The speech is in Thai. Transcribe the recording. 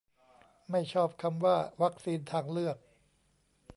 ไม่ชอบคำว่า "วัคซีนทางเลือก"